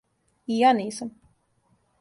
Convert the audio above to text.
И ја нисам.